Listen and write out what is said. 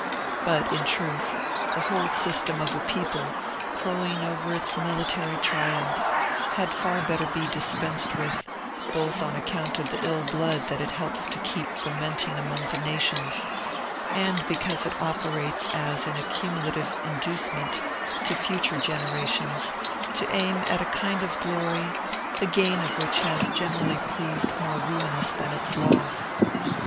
But, in truth, the whole system of a people crowing over its military triumphs had far better he dispensed with, both on account of the ill blood that it helps to keep fermenting among the nations, and because it operates as an accumulative inducement to future generations to aim at a kind of glory, the gain of which has generally proved more ruinous than its loss.